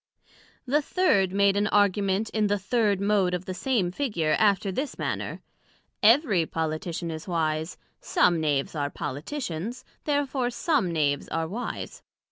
The third made an Argument in the third Mode of the same Figure, after this manner: Every Politician is wise: some Knaves are Politicians, Therefore some Knaves are wise.